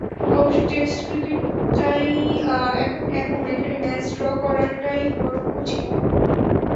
অবশ্য টেস্ট ক্রিকেটটাই এখন এমন, এখানে ম্যাচ ড্র করাটাই বরং কঠিন।